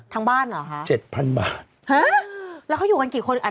ทั้งบ้านหรอคะพี่เต๋อพอร์ตเสียค่ะ